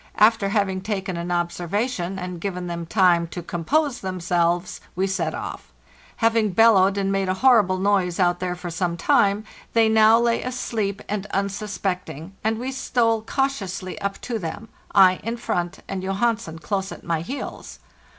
Af ter having taken an observation and given them time to compose themselves, we set off. Having bellowed and made a horrible noise out there for some time, they now lay asleep and unsuspecting, and we stole cautiously up to them, I in front and Johansen close at my heels.